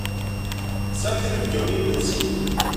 Tesɛam inebgiwen i yimensi?